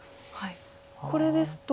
これですと？